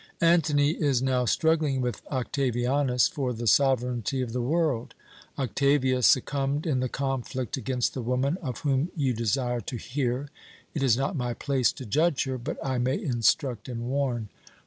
Antony is now struggling with Octavianus for the sovereignty of the world. Octavia succumbed in the conflict against the woman of whom you desire to hear. It is not my place to judge her, but I may instruct and warn.